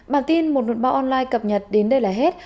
bản tin một luật báo online cập nhật đến đây là hết